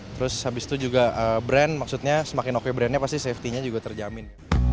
terus habis itu juga brand maksudnya semakin oke brandnya pasti safety nya juga terjamin